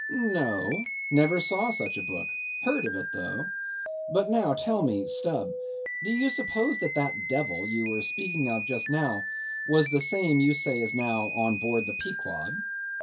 "No: never saw such a book; heard of it, though. But now, tell me, Stubb, do you suppose that that devil you was speaking of just now, was the same you say is now on board the Pequod?"